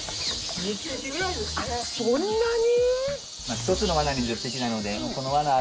そんなに？